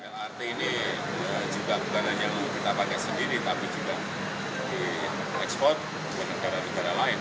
lrt ini juga bukan hanya kita pakai sendiri tapi juga diekspor ke negara negara lain